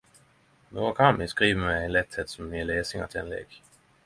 Murakami skriv med ein lettheit som gjer lesinga til ein leik.